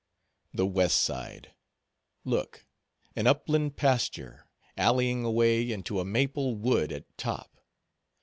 The west side, look. An upland pasture, alleying away into a maple wood at top.